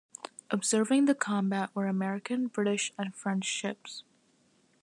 Observing the combat were American, British and French ships.